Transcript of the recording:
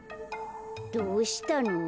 どうしたの？